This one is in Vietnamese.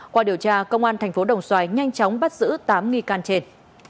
qua điều tra công an tp đồng xoài nhanh chóng bắt giữ tám nghi can trên